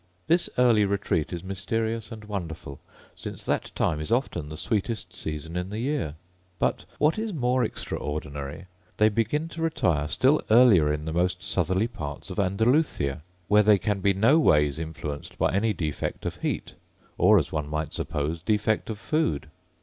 This early retreat is mysterious and wonderful, since that time is often the sweetest season in the year. But, what is more extraordinary, they begin to retire still earlier in the most southerly parts of Andalusia, where they can be no ways influenced by any defect of heat; or, as one might suppose, defect of food.